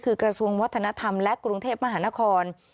คือกระทรวงวัฒนธรรมและกรุงเทพมหานคร